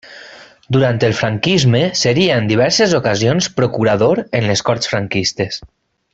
Durant el franquisme seria en diverses ocasions Procurador en les Corts franquistes.